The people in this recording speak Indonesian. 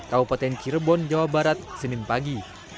kabupaten cirebon jawa barat senin pagi